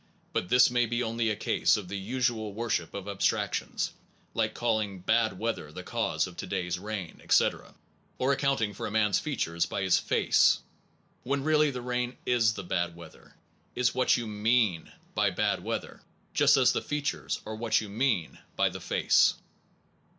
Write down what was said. But this may be only a case of the usual worship of abstractions, like calling bad weather the cause of to day s rain, etc., or accounting for a man s features by his face, when really the rain is the bad weather, is what you mean by bad weather, just as the features are what you mean by the face.